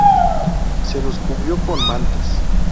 Se los cubrió con mantas.